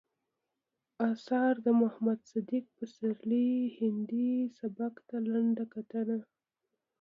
اثار، د محمد صديق پسرلي هندي سبک ته لنډه کتنه